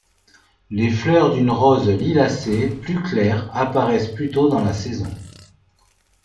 Les fleurs d’un rose lilacé plus clair apparaissent plus tôt dans la saison.